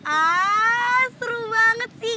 aaaa seru banget sih